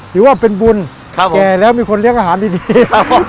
ถือว่าเป็นบุญครับผมแก่แล้วมีคนเลี้ยงอาหารดีดีครับ